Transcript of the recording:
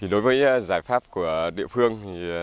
đối với giải pháp của địa phương